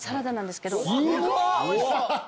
すごっ！